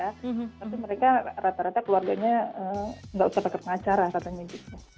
tapi mereka rata rata keluarganya nggak usah pakai pengacara katanya gitu